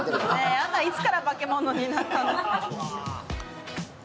やだ、いつから化け物になったの？